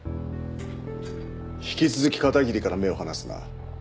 引き続き片桐から目を離すな。